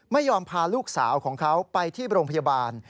ไม่ยอมพาลูกสาวของเขาไปที่โรงพยาบาล